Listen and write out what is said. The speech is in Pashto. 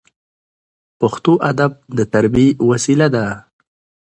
پښتو ادب د تربیې وسیله ده.